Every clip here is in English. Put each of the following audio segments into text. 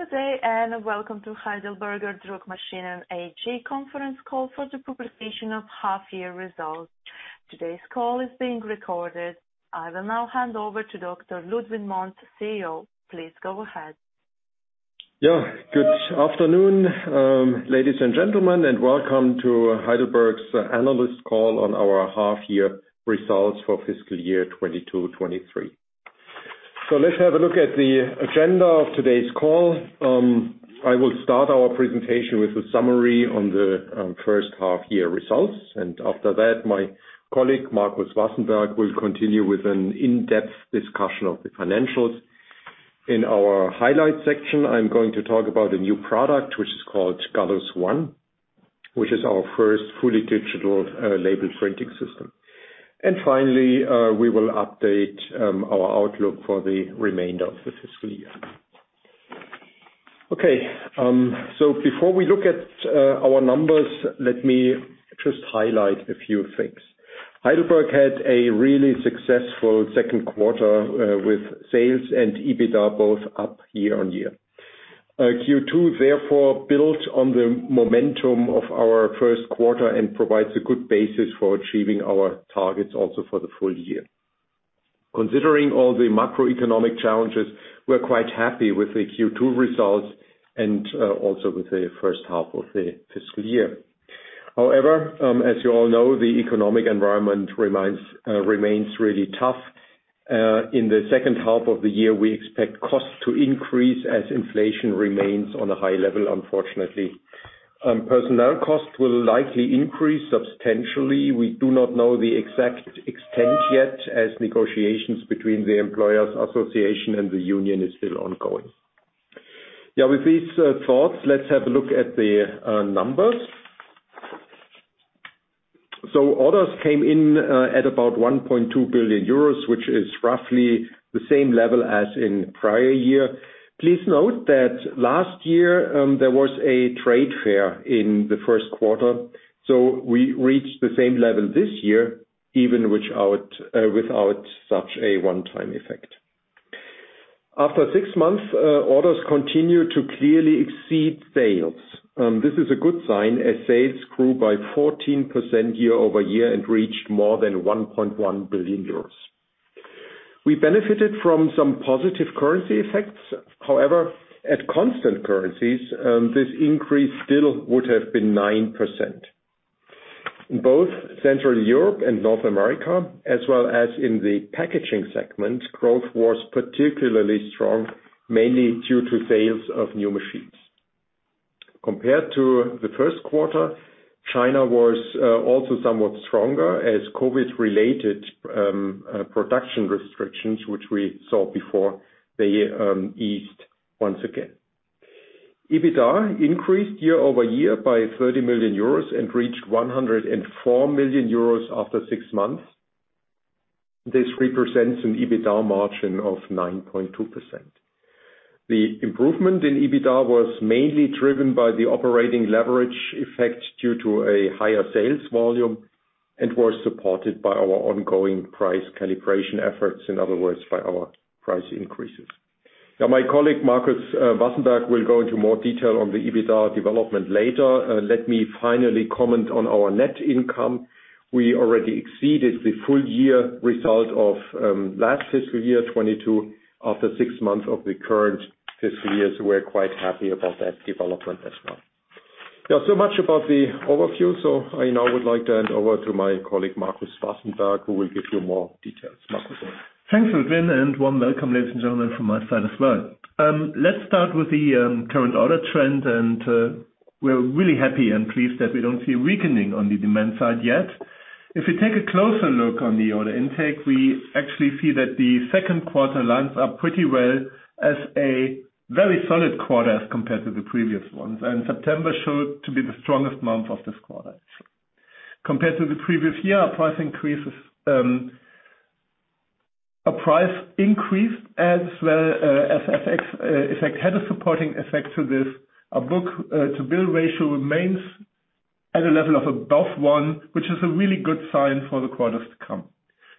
Good day and welcome to Heidelberger Druckmaschinen AG conference call for the publication of half year results. Today's call is being recorded. I will now hand over to Dr. Ludwin Monz, CEO. Please go ahead. Yeah, good afternoon, ladies and gentlemen, and welcome to Heidelberg's analyst call on our half year results for fiscal year 2022, 2023. Let's have a look at the agenda of today's call. I will start our presentation with a summary on the first half year results, and after that, my colleague, Marcus Wassenberg, will continue with an in-depth discussion of the financials. In our highlights section, I'm going to talk about a new product, which is called Gallus One, which is our first fully digital label printing system. Finally, we will update our outlook for the remainder of the fiscal year. Okay, before we look at our numbers, let me just highlight a few things. Heidelberg had a really successful Q2 with sales and EBITDA both up year-on-year. Q2 therefore built on the momentum of our Q1 and provides a good basis for achieving our targets also for the full year. Considering all the macroeconomic challenges, we're quite happy with the Q2 results and also with the first half of the fiscal year. However, as you all know, the economic environment remains really tough. In the second half of the year, we expect costs to increase as inflation remains on a high level, unfortunately. Personnel costs will likely increase substantially. We do not know the exact extent yet as negotiations between the employers association and the union is still ongoing. Yeah, with these thoughts, let's have a look at the numbers. Orders came in at about 1.2 billion euros, which is roughly the same level as in prior year. Please note that last year there was a trade fair in the Q1. We reached the same level this year, even without such a one-time effect. After 6 months, orders continued to clearly exceed sales. This is a good sign as sales grew by 14% year-over-year and reached more than 1 billion euros. We benefited from some positive currency effects. However, at constant currencies, this increase still would have been 9%. In both Central Europe and North America, as well as in the packaging segment, growth was particularly strong, mainly due to sales of new machines. Compared to the Q1, China was also somewhat stronger as COVID-related production restrictions, which we saw before, they eased once again. EBITDA increased year-over-year by 30 million euros and reached 104 million euros after six months. This represents an EBITDA margin of 9.2%. The improvement in EBITDA was mainly driven by the operating leverage effect due to a higher sales volume and was supported by our ongoing price calibration efforts, in other words, by our price increases. Now, my colleague, Marcus Wassenberg, will go into more detail on the EBITDA development later. Let me finally comment on our net income. We already exceeded the full year result of last fiscal year 2022 after six months of the current fiscal year, so we're quite happy about that development as well. Now, so much about the overview. I now would like to hand over to my colleague, Marcus Wassenberg, who will give you more details. Markus? Thanks, Ludwin, and warm welcome, ladies and gentlemen, from my side as well. Let's start with the current order trend, and we're really happy and pleased that we don't see a weakening on the demand side yet. If we take a closer look on the order intake, we actually see that the Q2 lines up pretty well as a very solid quarter as compared to the previous ones, and September showed to be the strongest month of this quarter. Compared to the previous year, our price increases as well as effect had a supporting effect to this. Our book-to-bill ratio remains at a level of above 1, which is a really good sign for the quarters to come.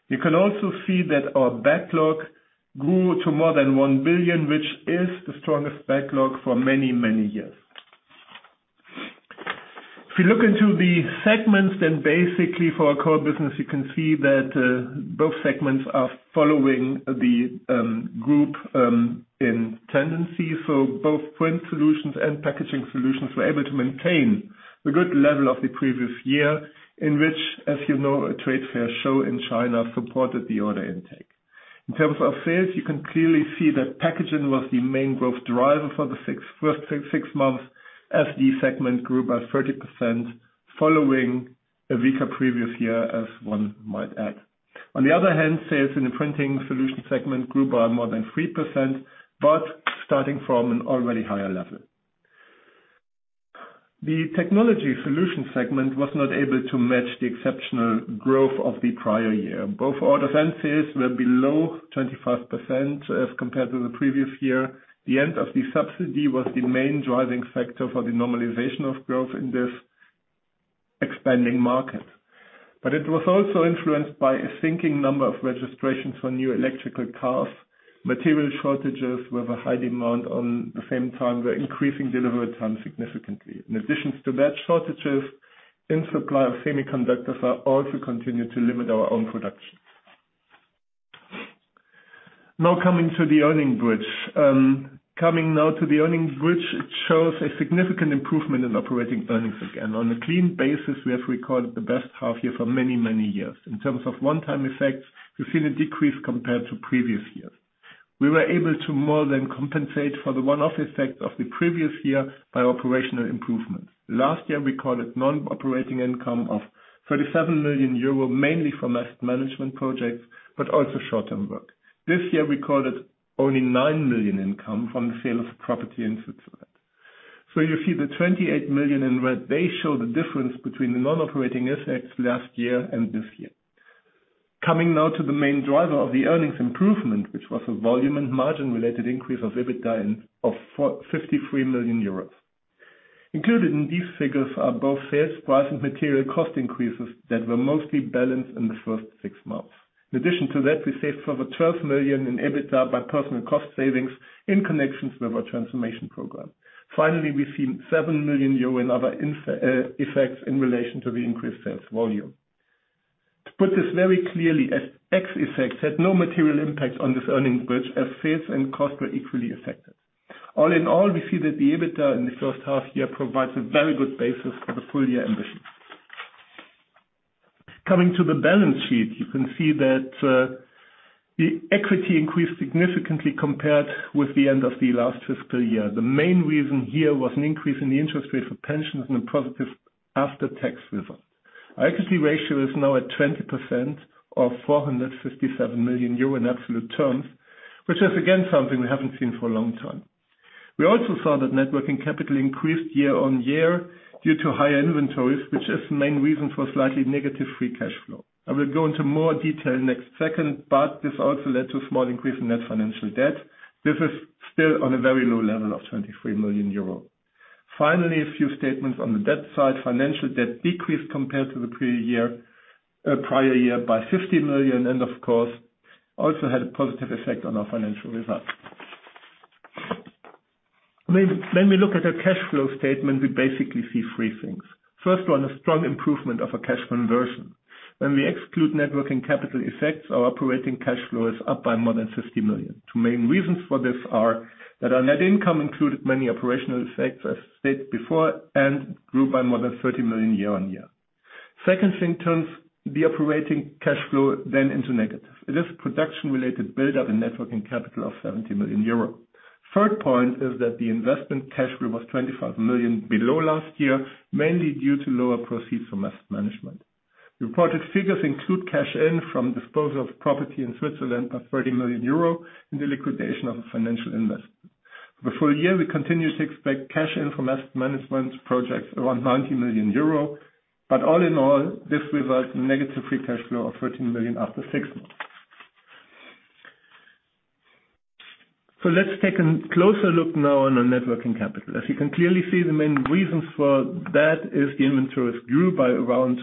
You can also see that our backlog grew to more than 1 billion, which is the strongest backlog for many, many years. If you look into the segments, then basically for our core business, you can see that both segments are following the group in tendency. Both Print Solutions and Packaging Solutions were able to maintain the good level of the previous year, in which, as you know, a trade fair show in China supported the order intake. In terms of sales, you can clearly see that Packaging was the main growth driver for the first six months as the segment grew by 30% following a weaker previous year, as one might add. On the other hand, sales in the Print Solutions segment grew by more than 3%, but starting from an already higher level. The Technology Solutions segment was not able to match the exceptional growth of the prior year. Both order sales were below 25% as compared to the previous year. The end of the subsidy was the main driving factor for the normalization of growth in this expanding market. It was also influenced by a sinking number of registrations for new electric cars, material shortages with a high demand at the same time, which are increasing delivery time significantly. In addition to that, shortages in supply of semiconductors are also continuing to limit our own production. Coming now to the earnings bridge, it shows a significant improvement in operating earnings again. On a clean basis, we have recorded the best half year for many, many years. In terms of one-time effects, we've seen a decrease compared to previous years. We were able to more than compensate for the one-off effect of the previous year by operational improvements. Last year, we called it non-operating income of 37 million euro, mainly from asset management projects, but also short-term work. This year, we called it only 9 million income from the sale of property in Switzerland. You see the 28 million in red, they show the difference between the non-operating effects last year and this year. Coming now to the main driver of the earnings improvement, which was a volume and margin-related increase of EBITDA of 53 million euros. Included in these figures are both sales price and material cost increases that were mostly balanced in the first six months. In addition to that, we saved over 12 million in EBITDA by personnel cost savings in connection with our transformation program. Finally, we've seen 7 million euro in other effects in relation to the increased sales volume. To put this very clearly, FX effects had no material impact on this earnings bridge as sales and costs were equally affected. All in all, we see that the EBITDA in the first half year provides a very good basis for the full year ambition. Coming to the balance sheet, you can see that the equity increased significantly compared with the end of the last fiscal year. The main reason here was an increase in the interest rate for pensions and a positive after-tax result. Our equity ratio is now at 20% of 457 million euro in absolute terms, which is again something we haven't seen for a long time. We also saw that net working capital increased year-on-year due to higher inventories, which is the main reason for slightly negative free cash flow. I will go into more detail next second, but this also led to a small increase in net financial debt. This is still on a very low level of 23 million euro. Finally, a few statements on the debt side. Financial debt decreased compared to the prior year by 50 million, and of course, also had a positive effect on our financial results. When we look at a cash flow statement, we basically see three things. First one, a strong improvement of a cash conversion. When we exclude net working capital effects, our operating cash flow is up by more than 50 million. Two main reasons for this are that our net income included many operational effects, as stated before, and grew by more than 30 million year-over-year. Second thing turns the operating cash flow then into negative. It is production-related buildup in net working capital of 70 million euro. Third point is that the investment cash flow was 25 million below last year, mainly due to lower proceeds from asset management. Reported figures include cash in from disposal of property in Switzerland of 30 million euro in the liquidation of a financial investment. For the full year, we continue to expect cash in from asset management projects around 90 million euro. But all in all, this results in negative free cash flow of 13 million after six months. Let's take a closer look now on our net working capital. As you can clearly see, the main reasons for that is the inventories grew by around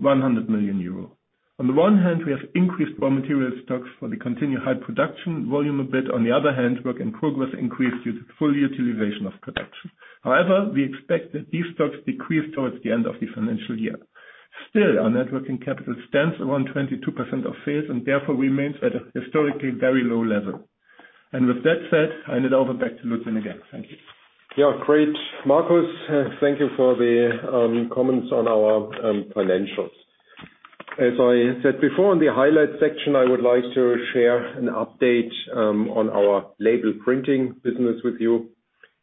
100 million euro. On the one hand, we have increased raw material stocks for the continued high production volume a bit. On the other hand, work in progress increased due to full utilization of production. However, we expect that these stocks decrease towards the end of the financial year. Still, our net working capital stands around 22% of sales and therefore remains at a historically very low level. With that said, hand it over back to Ludwin and again. Thank you. Yeah, great, Marcus. Thank you for the comments on our financials. As I said before in the highlights section, I would like to share an update on our label printing business with you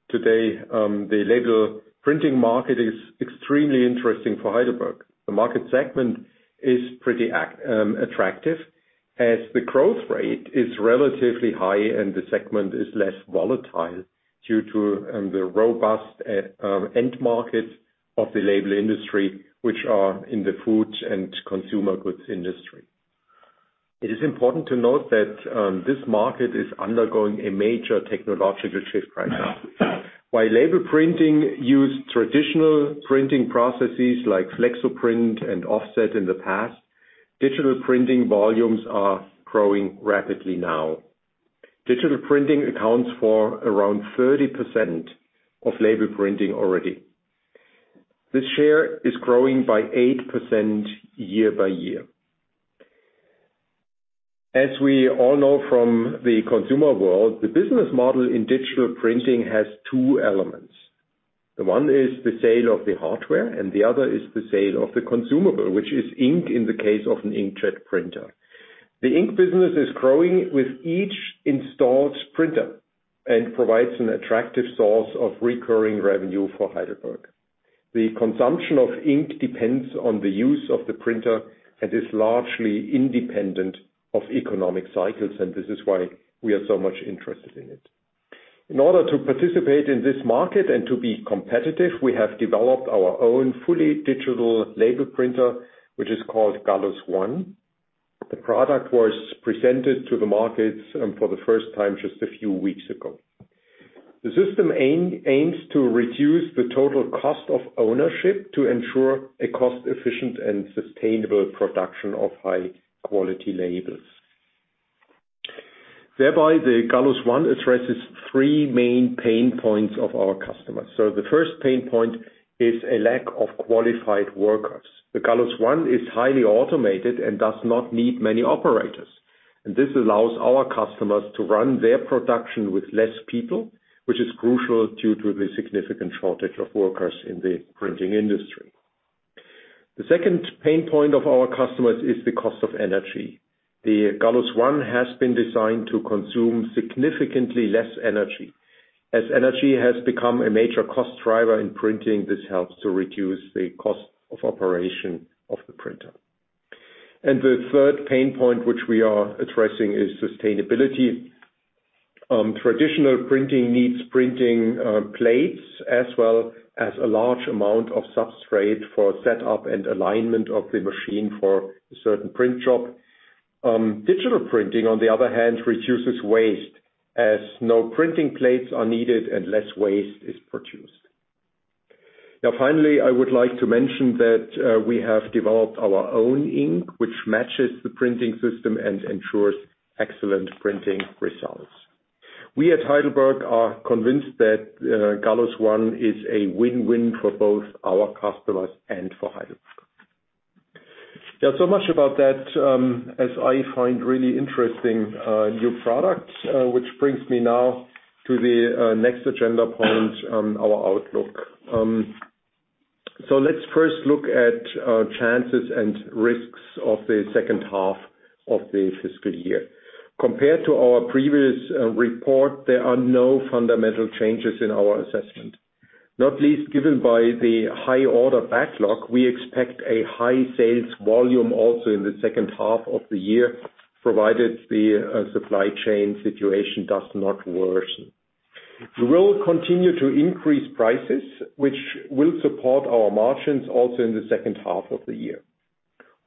today. The label printing market is extremely interesting for Heidelberg. The market segment is pretty attractive as the growth rate is relatively high and the segment is less volatile due to the robust end markets of the label industry, which are in the food and consumer goods industry. It is important to note that this market is undergoing a major technological shift right now. While label printing used traditional printing processes like flexo print and offset in the past, digital printing volumes are growing rapidly now. Digital printing accounts for around 30% of label printing already. This share is growing by 8% year by year. As we all know from the consumer world, the business model in digital printing has two elements. The one is the sale of the hardware, and the other is the sale of the consumable, which is ink in the case of an inkjet printer. The ink business is growing with each installed printer and provides an attractive source of recurring revenue for Heidelberg. The consumption of ink depends on the use of the printer and is largely independent of economic cycles, and this is why we are so much interested in it. In order to participate in this market and to be competitive, we have developed our own fully digital label printer, which is called Gallus One. The product was presented to the markets for the first time just a few weeks ago. The system aims to reduce the total cost of ownership to ensure a cost-efficient and sustainable production of high quality labels. Thereby, the Gallus One addresses three main pain points of our customers. The first pain point is a lack of qualified workers. The Gallus One is highly automated and does not need many operators. This allows our customers to run their production with less people, which is crucial due to the significant shortage of workers in the printing industry. The second pain point of our customers is the cost of energy. The Gallus One has been designed to consume significantly less energy. As energy has become a major cost driver in printing, this helps to reduce the cost of operation of the printer. The third pain point which we are addressing is sustainability. Traditional printing needs printing plates as well as a large amount of substrate for setup and alignment of the machine for a certain print job. Digital printing, on the other hand, reduces waste as no printing plates are needed and less waste is produced. Now, finally, I would like to mention that we have developed our own ink, which matches the printing system and ensures excellent printing results. We at Heidelberg are convinced that Gallus One is a win-win for both our customers and for Heidelberg. There's so much about that as I find really interesting new products, which brings me now to the next agenda point on our outlook. So let's first look at chances and risks of the second half of the fiscal year. Compared to our previous report, there are no fundamental changes in our assessment. Not least, given by the high order backlog, we expect a high sales volume also in the second half of the year, provided the supply chain situation does not worsen. We will continue to increase prices, which will support our margins also in the second half of the year.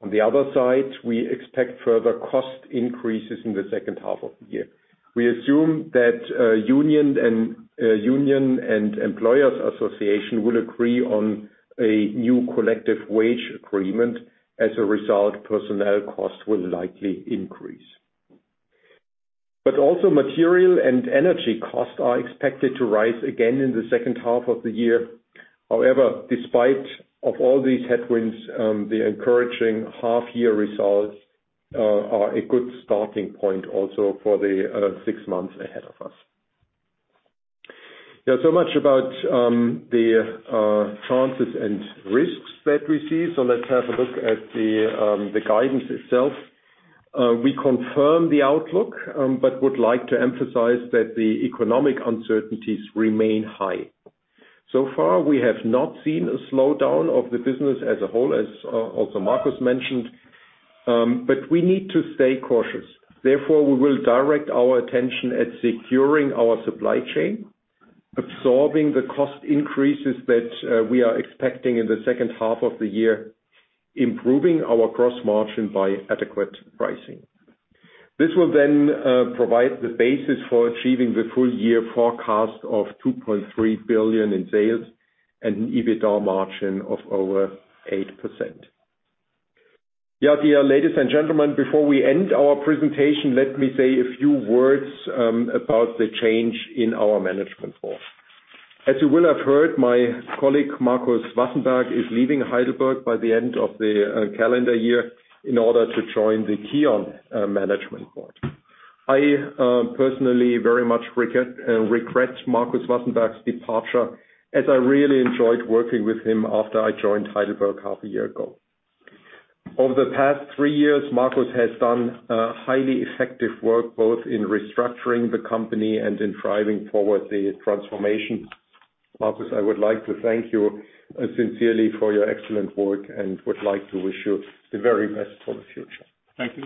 On the other side, we expect further cost increases in the second half of the year. We assume that unions and employers' association will agree on a new collective wage agreement. As a result, personnel costs will likely increase. Also material and energy costs are expected to rise again in the second half of the year. However, despite of all these headwinds, the encouraging half year results are a good starting point also for the six months ahead of us. There's so much about the chances and risks that we see. Let's have a look at the guidance itself. We confirm the outlook, but would like to emphasize that the economic uncertainties remain high. So far, we have not seen a slowdown of the business as a whole, as also Marcus mentioned, but we need to stay cautious. Therefore, we will direct our attention at securing our supply chain, absorbing the cost increases that we are expecting in the second half of the year, improving our gross margin by adequate pricing. This will provide the basis for achieving the full year forecast of 2.3 billion in sales and an EBITDA margin of over 8%. Dear ladies and gentlemen, before we end our presentation, let me say a few words about the change in our management board. As you will have heard, my colleague, Marcus Wassenberg, is leaving Heidelberg by the end of the calendar year in order to join the KION management board. I personally very much regret Marcus Wassenberg's departure, as I really enjoyed working with him after I joined Heidelberg half a year ago. Over the past three years, Marcus has done highly effective work, both in restructuring the company and in driving forward the transformation. Marcus, I would like to thank you, sincerely for your excellent work and would like to wish you the very best for the future. Thank you.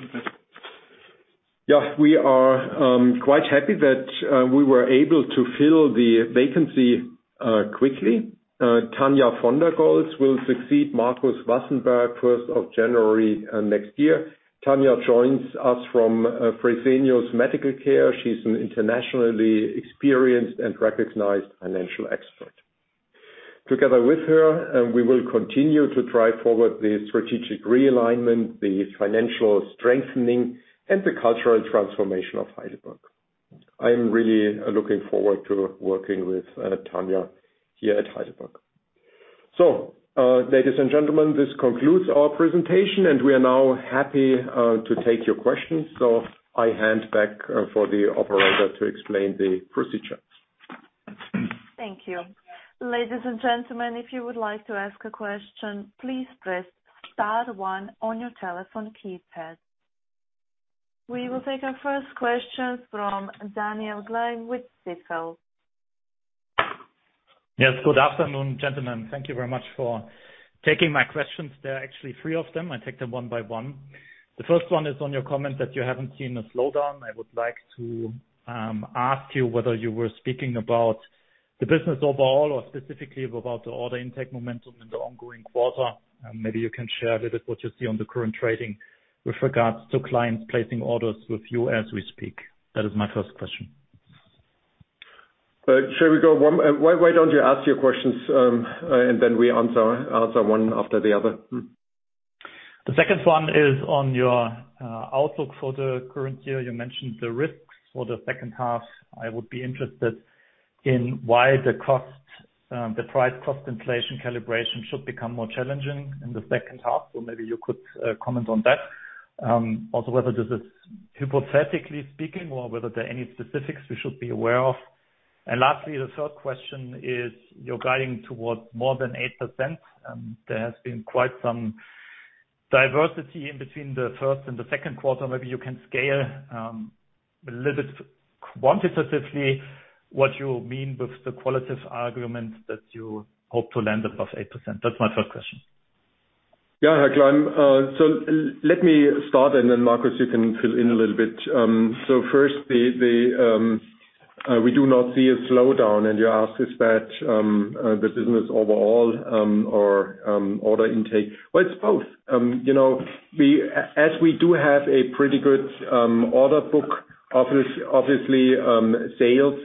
Yeah, we are quite happy that we were able to fill the vacancy quickly. Tania von der Goltz will succeed Marcus Wassenberg, first of January next year. Tania joins us from Fresenius Medical Care. She's an internationally experienced and recognized financial expert. Together with her, we will continue to drive forward the strategic realignment, the financial strengthening, and the cultural transformation of Heidelberg. I'm really looking forward to working with Tania here at Heidelberg. Ladies and gentlemen, this concludes our presentation, and we are now happy to take your questions. I hand back for the operator to explain the procedure. Thank you. Ladies and gentlemen, if you would like to ask a question, please press star one on your telephone keypad. We will take our first question from Daniela Glaab with Citi. Yes. Good afternoon, gentlemen. Thank you very much for taking my questions. There are actually three of them. I'll take them one by one. The first one is on your comment that you haven't seen a slowdown. I would like to ask you whether you were speaking about the business overall or specifically about the order intake momentum in the ongoing quarter, and maybe you can share a little bit what you see on the current trading with regards to clients placing orders with you as we speak. That is my first question. Why don't you ask your questions, and then we answer one after the other. The second one is on your outlook for the current year. You mentioned the risks for the second half. I would be interested in why the price-cost inflation calibration should become more challenging in the second half. Maybe you could comment on that. Also whether this is hypothetically speaking or whether there are any specifics we should be aware of. Lastly, the third question is you're guiding towards more than 8%, there has been quite some disparity in between the first and the Q2. Maybe you can spell a little bit quantitatively what you mean with the qualitative argument that you hope to land above 8%. That's my third question. Yeah, let me start and then, Marcus, you can fill in a little bit. First, we do not see a slowdown. You ask, is that the business overall or order intake? Well, it's both. You know, we do have a pretty good order book, obviously, sales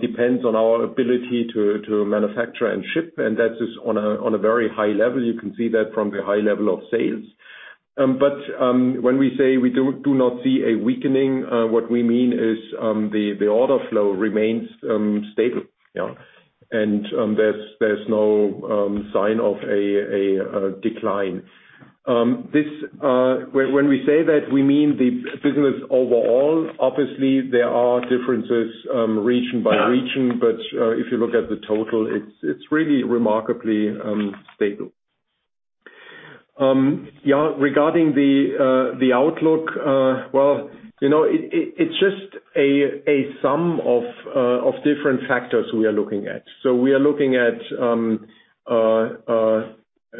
depends on our ability to manufacture and ship, and that is on a very high level. You can see that from the high level of sales. When we say we do not see a weakening, what we mean is the order flow remains stable. Yeah. There's no sign of a decline. When we say that, we mean the business overall. Obviously, there are differences, region by region. If you look at the total, it's really remarkably stable. Yeah. Regarding the outlook, well, you know, it's just a sum of different factors we are looking at. We are looking at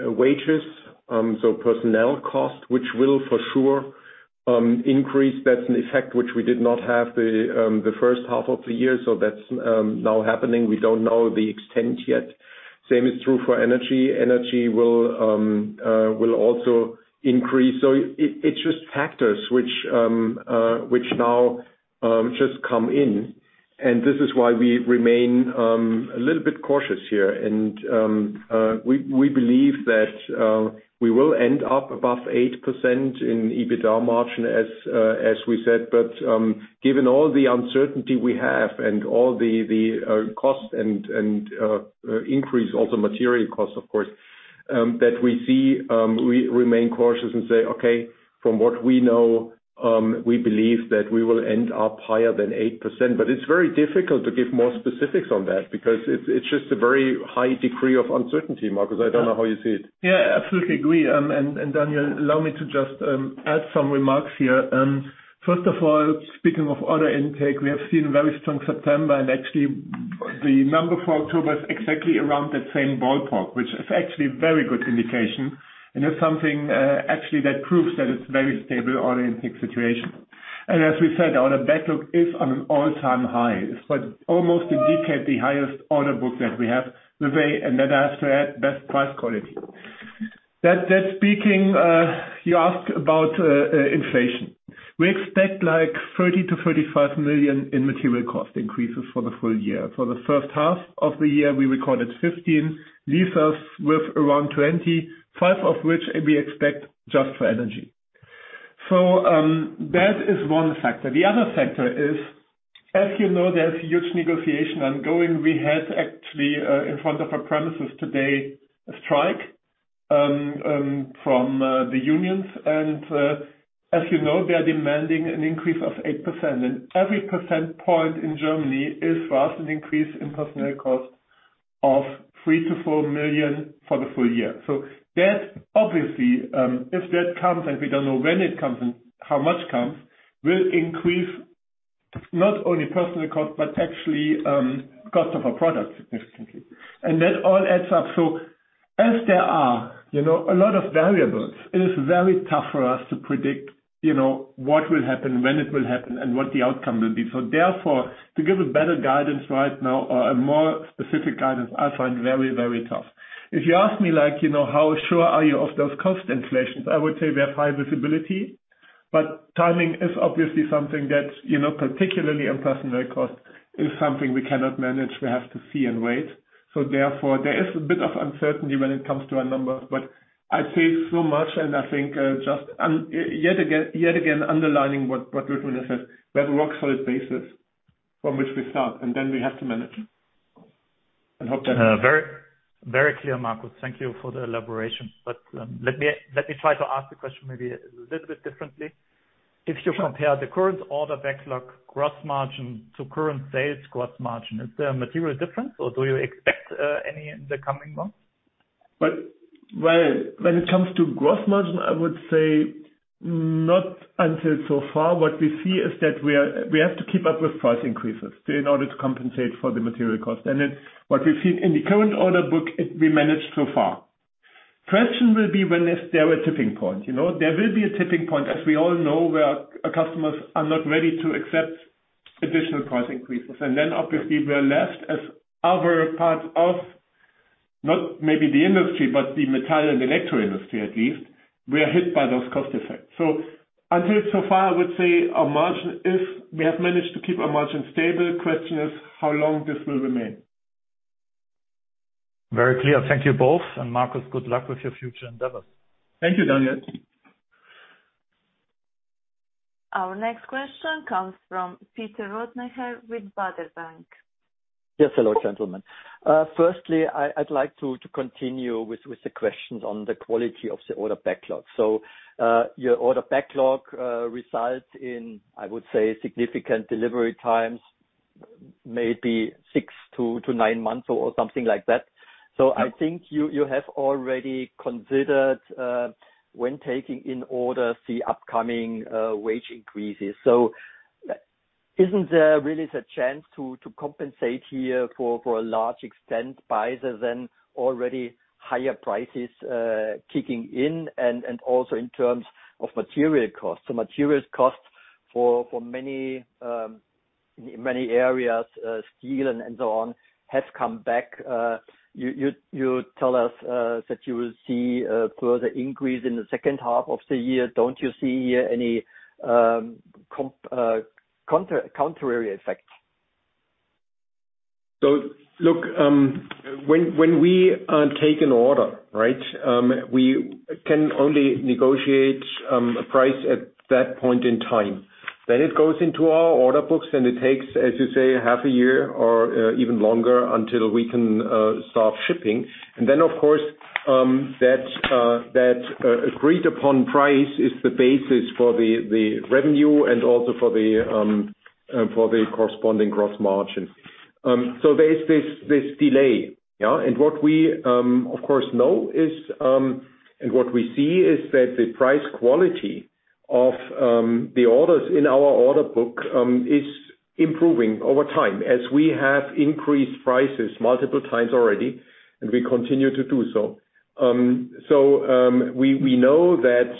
wages, so personnel costs, which will for sure increase. That's an effect which we did not have the first half of the year. That's now happening. We don't know the extent yet. Same is true for energy. Energy will also increase. It's just factors which now just come in, and this is why we remain a little bit cautious here. We believe that we will end up above 8% in EBITDA margin, as we said. Given all the uncertainty we have and all the cost and increase, also material costs, of course, that we see, we remain cautious and say, okay, from what we know, we believe that we will end up higher than 8%. It's very difficult to give more specifics on that because it's just a very high degree of uncertainty. Marcus, I don't know how you see it. Yeah, I absolutely agree. Daniela, allow me to just add some remarks here. First of all, speaking of order intake, we have seen a very strong September, and actually the number for October is exactly around that same ballpark, which is actually a very good indication. It's something actually that proves that it's a very stable order intake situation. As we said, order backlog is on an all-time high. It's like almost a decade, the highest order book that we have. The way and that has to add best price quality. That speaking, you asked about inflation. We expect like 30-35 million in material cost increases for the full year. For the first half of the year, we recorded 15 million. We start with around 20 million, 5 million of which we expect just for energy. That is one factor. The other factor is, as you know, there's huge negotiation ongoing. We had actually, in front of our premises today, a strike from the unions. As you know, they are demanding an increase of 8%. Every percentage point in Germany is for us an increase in personnel costs of 3 million-4 million for the full year. That obviously, if that comes and we don't know when it comes and how much comes, will increase not only personnel costs, but actually, cost of a product significantly. That all adds up. As there are, you know, a lot of variables, it is very tough for us to predict, you know, what will happen, when it will happen, and what the outcome will be. Therefore, to give a better guidance right now or a more specific guidance, I find very, very tough. If you ask me, like, you know, how sure are you of those cost inflations? I would say we have high visibility, but timing is obviously something that, you know, particularly in personnel costs, is something we cannot manage. We have to see and wait. Therefore, there is a bit of uncertainty when it comes to our numbers. I'd say so much, and I think, yet again underlining what Ludwin Monz has said. We have a rock-solid basis from which we start, and then we have to manage and hope that. Very, very clear, Marcus. Thank you for the elaboration. Let me try to ask the question maybe a little bit differently. If you compare the current order backlog gross margin to current sales gross margin, is there a material difference or do you expect any in the coming months? Well, when it comes to gross margin, I would say not until so far. What we see is that we have to keep up with price increases in order to compensate for the material cost. What we see in the current order book, we managed so far. Question will be when is there a tipping point, you know? There will be a tipping point, as we all know, where our customers are not ready to accept additional price increases. Obviously we are left as other parts of, not maybe the industry, but the metal and electro industry at least, we are hit by those cost effects. Until so far, I would say we have managed to keep our margin stable. Question is how long this will remain. Very clear. Thank you both. Marcus, good luck with your future endeavors. Thank you, Daniela. Our next question comes from Peter Rothenaicher with Baader Bank. Yes. Hello, gentlemen. Firstly, I'd like to continue with the questions on the quality of the order backlog. Your order backlog results in, I would say, significant delivery times, maybe 6-9 months or something like that. I think you have already considered, when taking in orders, the upcoming wage increases. Isn't there really a chance to compensate here for a large extent by the then already higher prices kicking in and also in terms of material costs? Material costs for many areas, steel and so on, have come back. You tell us that you will see a further increase in the second half of the year. Don't you see any countervailing effects? Look, when we take an order, right? We can only negotiate a price at that point in time. It goes into our order books, and it takes, as you say, half a year or even longer until we can start shipping. Then, of course, that agreed upon price is the basis for the revenue and also for the corresponding gross margin. There is this delay. Yeah. What we, of course, know is, and what we see is that the price quality of the orders in our order book is improving over time as we have increased prices multiple times already, and we continue to do so. We know that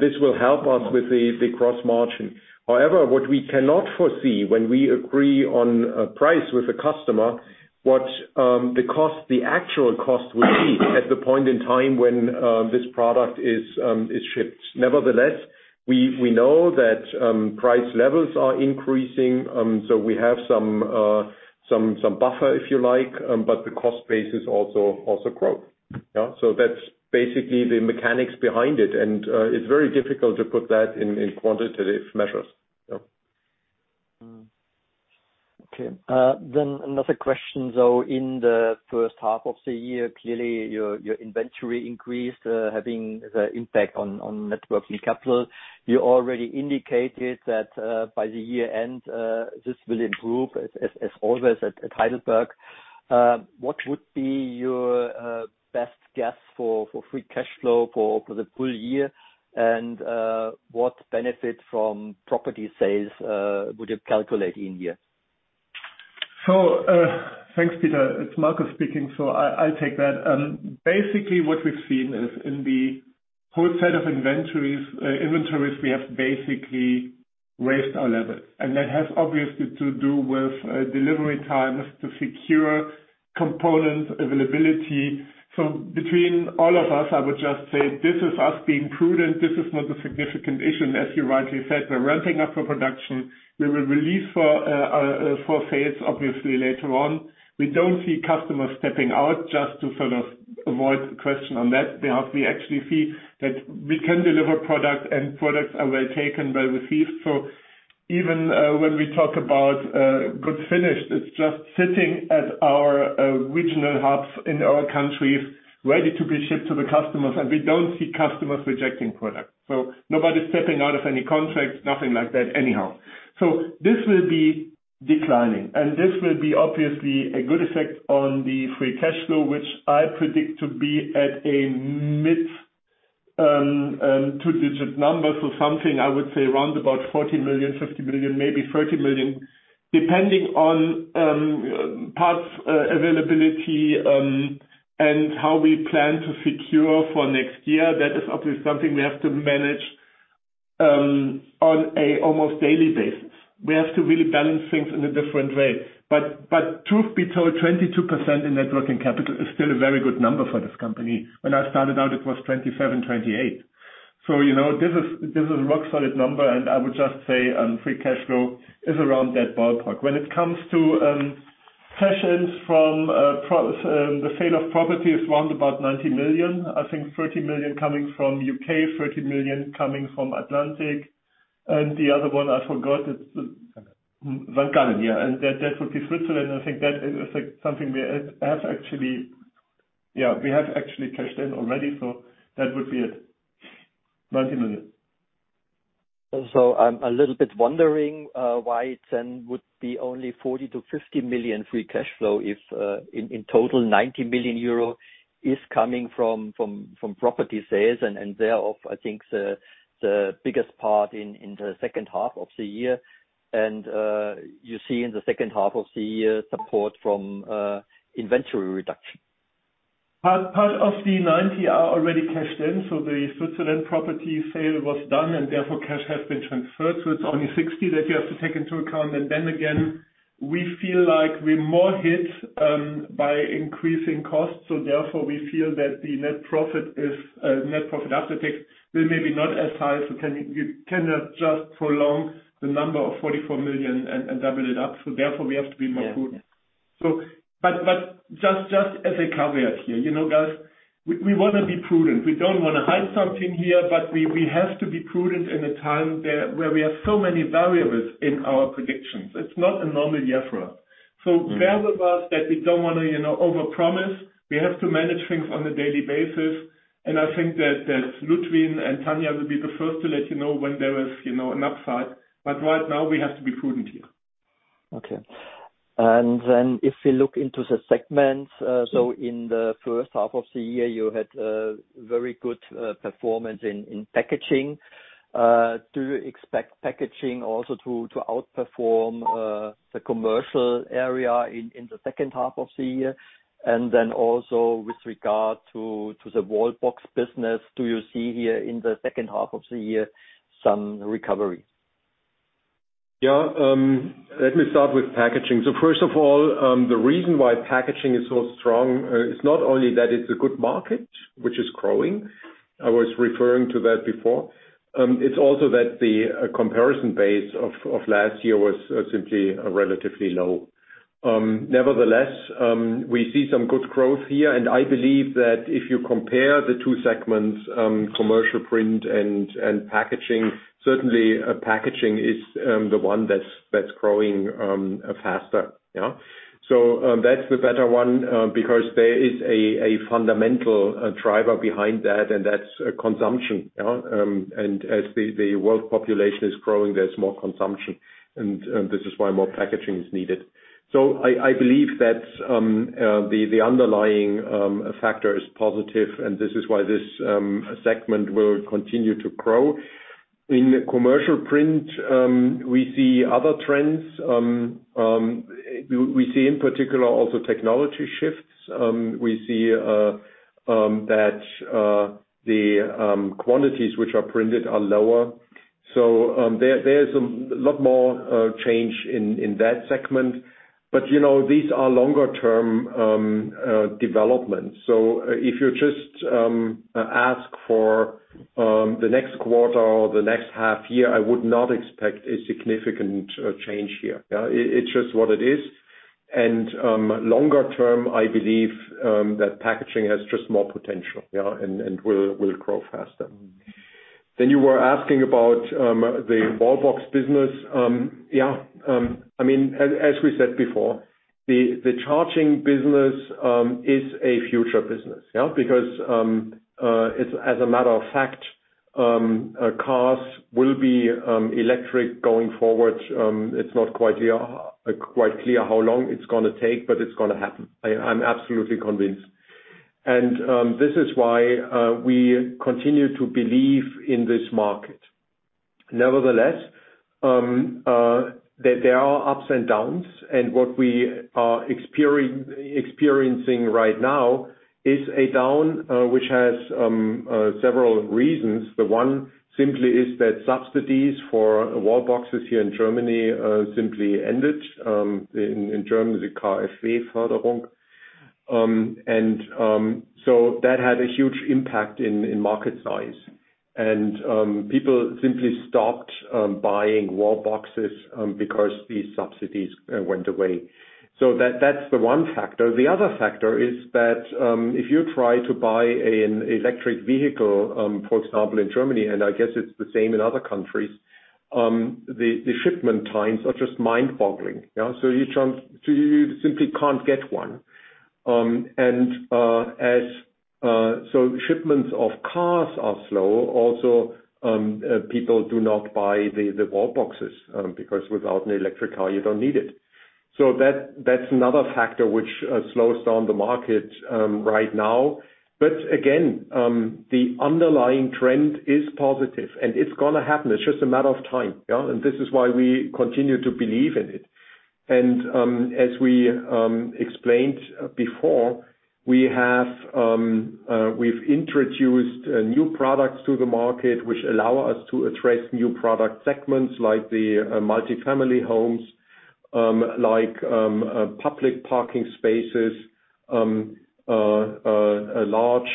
this will help us with the gross margin. However, what we cannot foresee when we agree on a price with a customer, the actual cost will be at the point in time when this product is shipped. Nevertheless, we know that price levels are increasing, so we have some buffer, if you like, but the cost base has also grown. Yeah. That's basically the mechanics behind it. It's very difficult to put that in quantitative measures. Yeah. Another question, though. In the first half of the year, clearly your inventory increased, having the impact on net working capital. You already indicated that by the year end this will improve as always at Heidelberg. What would be your best guess for free cash flow for the full year and what benefit from property sales would you calculate in here? Thanks, Peter. It's Marcus speaking, so I'll take that. Basically what we've seen is in the whole set of inventories, we have basically raised our levels, and that has obviously to do with delivery times to secure component availability. Between all of us, I would just say this is us being prudent. This is not a significant issue. As you rightly said, we're ramping up our production. We will release for sales obviously later on. We don't see customers stepping out just to sort of avoid the question on that. We actually see that we can deliver products, and products are well taken, well received. Even when we talk about finished goods, it's just sitting at our regional hubs in our countries ready to be shipped to the customers, and we don't see customers rejecting products. Nobody's stepping out of any contracts, nothing like that anyhow. This will be declining, and this will be obviously a good effect on the free cash flow, which I predict to be at a mid two-digit number. Something I would say around about 40 million, 50 million, maybe 30 million, depending on parts availability and how we plan to secure for next year. That is obviously something we have to manage on an almost daily basis. We have to really balance things in a different way. But truth be told, 22% in net working capital is still a very good number for this company. When I started out, it was 27 million-28 million. You know, this is a rock solid number and I would just say free cash flow is around that ballpark. When it comes to cash ins from the sale of properties around 90 million. I think 30 million coming from UK, 30 million coming from Atlanta, and the other one I forgot. Wängi. Wängi, yeah. That would be Switzerland. I think that is, like, something we have actually. Yeah, we have actually cashed in already. That would be it. 90 million. I'm a little bit wondering why then would be only 40 million-50 million free cash flow if in total 90 million euro is coming from property sales and thereof I think the biggest part in the second half of the year. You see in the second half of the year support from inventory reduction. Part of the 90 million are already cashed in, so the Switzerland property sale was done and therefore cash has been transferred. It's only 60 million that you have to take into account. Then again, we feel like we're more hit by increasing costs, so therefore we feel that the net profit after tax will maybe not be as high. You cannot just prolong the number of 44 million and double it up. Therefore we have to be more prudent. Yeah. Just as a caveat here, guys, we wanna be prudent. We don't wanna hide something here, but we have to be prudent in a time there where we have so many variables in our predictions. It's not a normal year for us. Bear with us that we don't wanna, overpromise. We have to manage things on a daily basis. I think that Ludwin and Tania will be the first to let you know when there is, an upside. Right now we have to be prudent here. If we look into the segments, in the first half of the year you had very good performance in packaging. Do you expect packaging also to outperform the commercial area in the second half of the year? Also with regard to the Wallbox business, do you see here in the second half of the year some recovery? Yeah. Let me start with packaging. First of all, the reason why packaging is so strong is not only that it's a good market which is growing. I was referring to that before. It's also that the comparison base of last year was simply relatively low. Nevertheless, we see some good growth here, and I believe that if you compare the two segments, commercial print and packaging, certainly, packaging is the one that's growing faster. Yeah. That's the better one because there is a fundamental driver behind that, and that's consumption. Yeah. As the world population is growing, there's more consumption and this is why more packaging is needed. I believe that the underlying factor is positive and this is why this segment will continue to grow. In commercial print, we see other trends. We see in particular also technology shifts. We see that the quantities which are printed are lower. There's a lot more change in that segment. But you know, these are longer term developments. If you just ask for the next quarter or the next half year, I would not expect a significant change here. Yeah. It's just what it is. Longer term, I believe that packaging has just more potential, yeah, and will grow faster. You were asking about the Wallbox business. Yeah. I mean, as we said before, the charging business is a future business, yeah. Because as a matter of fact, cars will be electric going forward. It's not quite clear how long it's gonna take, but it's gonna happen. I'm absolutely convinced. This is why we continue to believe in this market. Nevertheless, there are ups and downs, and what we are experiencing right now is a down, which has several reasons. The one simply is that subsidies for Wallbox here in Germany simply ended in Germany, the KfW. So that had a huge impact in market size. People simply stopped buying Wallbox because these subsidies went away. That's the one factor. The other factor is that if you try to buy an electric vehicle for example in Germany and I guess it's the same in other countries the shipment times are just mind-boggling. Yeah. You simply can't get one. Shipments of cars are slow also. People do not buy the Wallbox because without an electric car you don't need it. That's another factor which slows down the market right now. Again the underlying trend is positive and it's gonna happen. It's just a matter of time, yeah. This is why we continue to believe in it. As we explained before, we've introduced new products to the market which allow us to address new product segments like the multifamily homes, like public parking spaces, large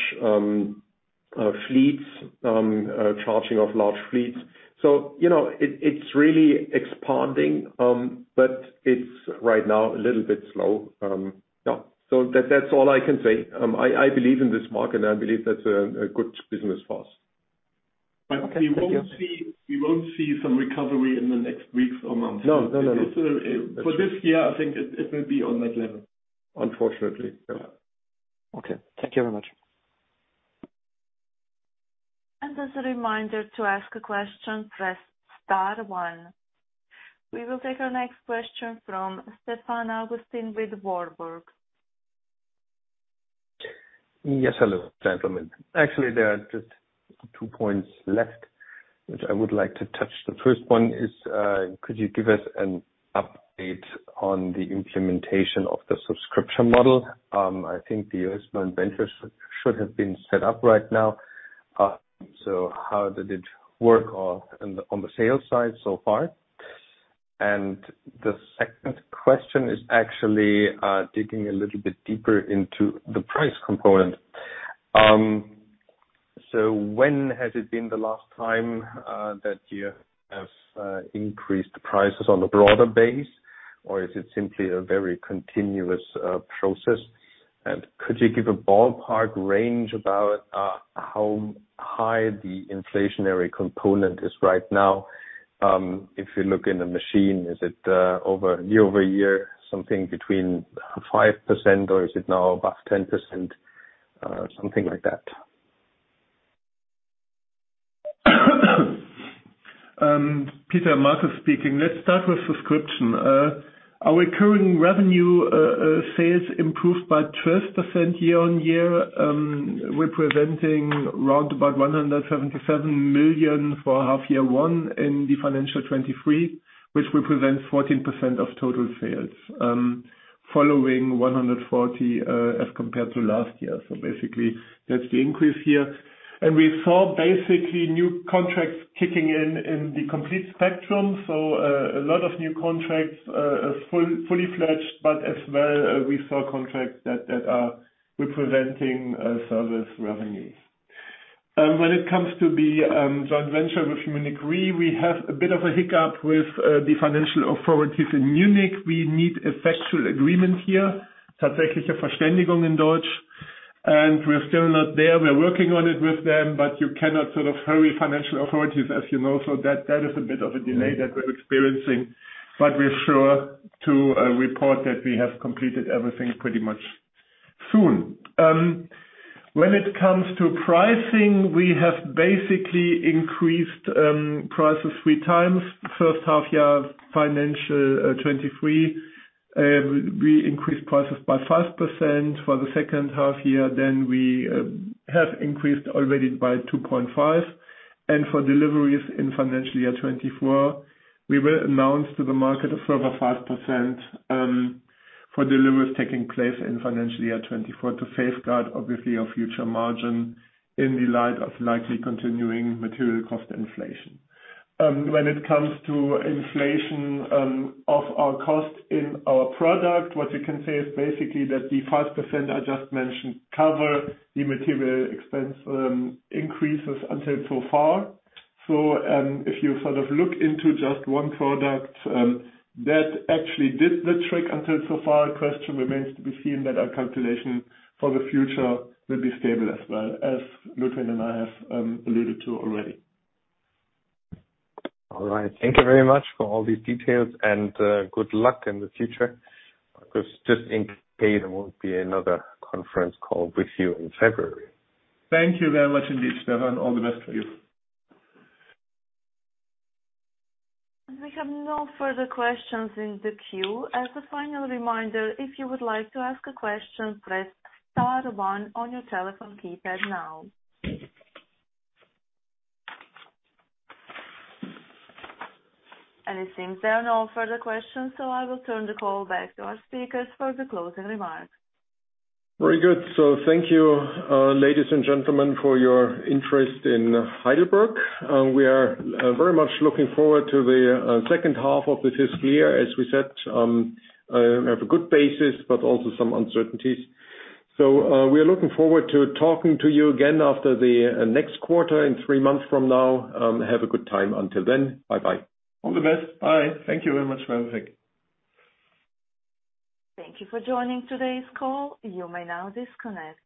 fleets, charging of large fleets. You know, it's really expanding, but it's right now a little bit slow. That's all I can say. I believe in this market. I believe that's a good business for us. Okay. Thank you. We won't see some recovery in the next weeks or months. No, no, no. For this year, I think it will be on that level. Unfortunately. Yeah. Okay. Thank you very much. As a reminder to ask a question, press star one. We will take our next question from Stefan Augustin with Warburg. Hello, gentlemen. Actually, there are just two points left, which I would like to touch. The first one is, could you give us an update on the implementation of the subscription model? I think it should have been set up right now. So how did it work out on the sales side so far? The second question is actually digging a little bit deeper into the price component. So when has it been the last time that you have increased prices on a broader base, or is it simply a very continuous process? Could you give a ballpark range about how high the inflationary component is right now? If you look in the margin, is it over year-over-year, something between 5% or is it now about 10%, something like that? Peter, Marcus speaking. Let's start with subscription. Our recurring revenue sales improved by 12% year-on-year, representing round about 177 million for half year one in the financial 2023, which represents 14% of total sales, following 140 million as compared to last year. Basically that's the increase here. We saw basically new contracts kicking in in the complete spectrum. A lot of new contracts are fully fledged, but as well we saw contracts that are representing service revenues. When it comes to the joint venture with Munich Re, we have a bit of a hiccup with the financial authorities in Munich. We need a factual agreement here. Mm-hmm. Such as a Deutsch. We're still not there. We're working on it with them, but you cannot sort of hurry financial authorities, as you know. That is a bit of a delay. Mm-hmm. that we're experiencing, but we're sure to report that we have completed everything pretty much soon. When it comes to pricing, we have basically increased prices three times. First half year, financial 2023, we increased prices by 5%. For the second half year then, we have increased already by 2.5%. For deliveries in financial year 2024, we will announce to the market a further 5% for deliveries taking place in financial year 2024 to safeguard obviously our future margin in the light of likely continuing material cost inflation. When it comes to inflation of our cost in our product, what we can say is basically that the 5% I just mentioned cover the material expense increases until so far. If you sort of look into just one product, that actually did the trick until so far. Question remains to be seen that our calculation for the future will be stable as well, as Ludwin and I have alluded to already. All right. Thank you very much for all these details and good luck in the future, because just in case there won't be another conference call with you in February. Thank you very much indeed, Stefan. All the best to you. We have no further questions in the queue. As a final reminder, if you would like to ask a question, press star one on your telephone keypad now. It seems there are no further questions, so I will turn the call back to our speakers for the closing remarks. Very good. Thank you, ladies and gentlemen, for your interest in Heidelberg. We are very much looking forward to the second half of the fiscal year. As we said, we have a good basis but also some uncertainties. We are looking forward to talking to you again after the next quarter in three months from now. Have a good time until then. Bye-bye. All the best. Bye. Thank you very much, Heidelberg. Thank you for joining today's call. You may now disconnect.